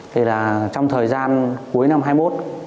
thì là trong thời gian cuối năm hai mươi một